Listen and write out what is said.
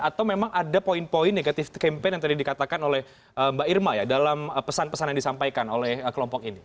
atau memang ada poin poin negatif campaign yang tadi dikatakan oleh mbak irma ya dalam pesan pesan yang disampaikan oleh kelompok ini